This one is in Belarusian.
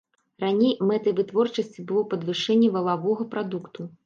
Раней мэтай вытворчасці было падвышэнне валавога прадукту.